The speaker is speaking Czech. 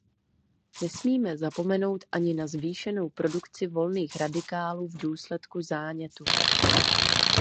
Nesmíme zapomenout ani na zvýšenou produkci volných radikálů v důsledku zánětu.